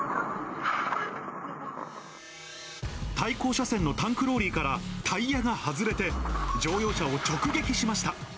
対向車線のタンクローリーからタイヤが外れて、乗用車を直撃しました。